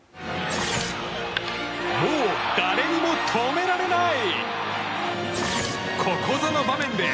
もう誰にも止められない！